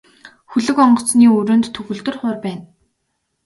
Хөлөг онгоцны өрөөнд төгөлдөр хуур байна.